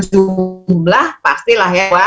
jumlah pastilah ya